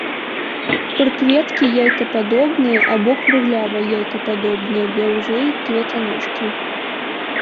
Прыкветкі яйкападобныя або круглява-яйкападобныя, даўжэй кветаножкі.